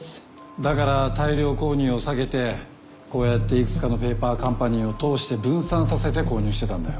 だから大量購入を避けてこうやって幾つかのペーパーカンパニーを通して分散させて購入してたんだよ。